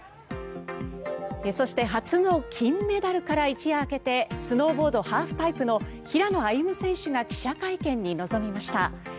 そして初の金メダルから一夜明けてスノーボードハーフパイプの平野歩夢選手が記者会見に臨みました。